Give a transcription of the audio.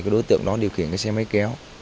đối tượng điều khiển xe máy kéo